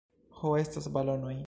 Ho estas balonoj